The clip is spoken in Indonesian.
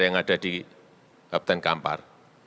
yang ada di kabupaten kampar